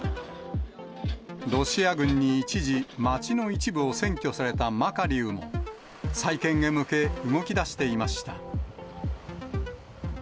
ロシア軍に一時、街の一部を占拠されたマカリウも、再建へ向け、動きだしていました。